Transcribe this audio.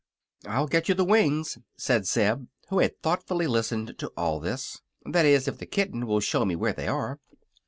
"I'll get you the wings," said Zeb, who had thoughtfully listened to all this. "That is, if the kitten will show me where they are."